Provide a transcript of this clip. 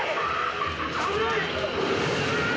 危ない！